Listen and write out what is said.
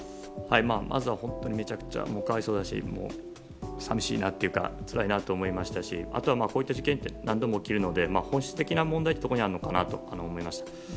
まずは本当にめちゃくちゃ可哀想だし寂しいなっていうかつらいなと思いましたしあとはこういった事件って何度も起きるので本質的な問題がどこにあるのかなと思いました。